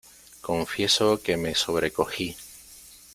confieso que me sobrecogí.